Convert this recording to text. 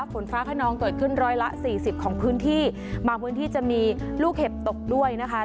ฝนฟ้าขนองเกิดขึ้นร้อยละสี่สิบของพื้นที่บางพื้นที่จะมีลูกเห็บตกด้วยนะคะ